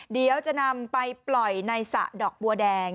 เดี๋ยวจะนำไปปล่อยในสระดอกบัวแดง